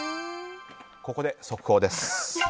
ここで速報です。